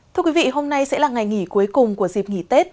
thưa quý vị hôm nay sẽ là ngày nghỉ cuối cùng của dịp nghỉ tết